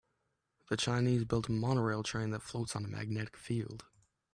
The Chinese built a monorail train that floats on a magnetic field.